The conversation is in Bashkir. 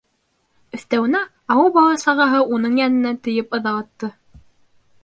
Өҫтәүенә, ауыл бала-сағаһы уның йәненә тейеп ыҙалатты.